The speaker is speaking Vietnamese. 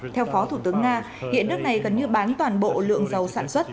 theo phó thủ tướng nga hiện nước này gần như bán toàn bộ lượng dầu sản xuất